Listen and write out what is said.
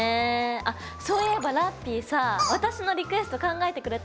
あっそういえばラッピィさ私のリクエスト考えてくれた？